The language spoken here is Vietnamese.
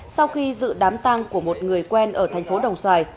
sau khi dự đám tăng của một người quen ở thành phố đồng xoài